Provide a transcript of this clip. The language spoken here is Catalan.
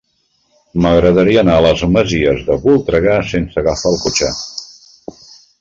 M'agradaria anar a les Masies de Voltregà sense agafar el cotxe.